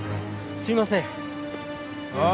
すいません。